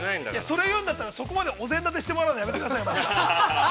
◆それ言うんだったらそこまでお膳立てしてもらうのやめてください、もう。